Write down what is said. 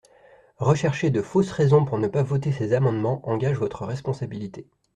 Rechercher de fausses raisons pour ne pas voter ces amendements engage votre responsabilité.